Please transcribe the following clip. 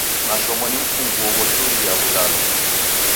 Mashomo ni mfunguo ghojichuria w'ulalo.